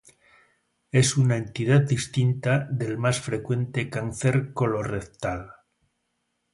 Es una entidad distinta del más frecuente cáncer colorrectal.